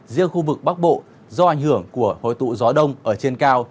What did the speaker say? riêng khu vực bắc bộ do ảnh hưởng của hội tụ gió đông ở trên cao